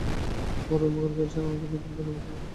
বড়ো উপকার করেছেন– আপনি আমাদের অনেক ধন্যবাদ জানবেন।